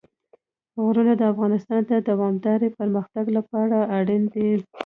غرونه د افغانستان د دوامداره پرمختګ لپاره اړین دي.